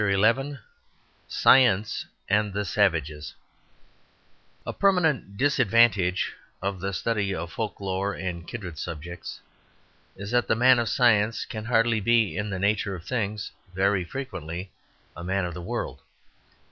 XI Science and the Savages A permanent disadvantage of the study of folk lore and kindred subjects is that the man of science can hardly be in the nature of things very frequently a man of the world.